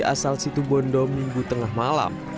asal situbondo minggu tengah malam